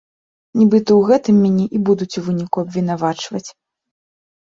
Нібыта ў гэтым мяне і будуць у выніку абвінавачваць.